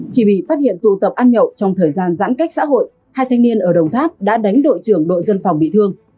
khi bị phát hiện tụ tập ăn nhậu trong thời gian giãn cách xã hội hai thanh niên ở đồng tháp đã đánh đội trưởng đội dân phòng bị thương